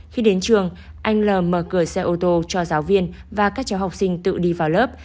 khi đến trường anh l mở cửa xe ô tô cho giáo viên và các cháu học sinh tự đi vào lớp